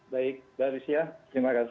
baik dari saya terima kasih